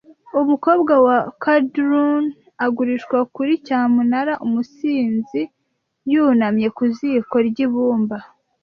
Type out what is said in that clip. Umukobwa wa quadroon agurishwa kuri cyamunara, umusinzi yunamye ku ziko ryibyumba,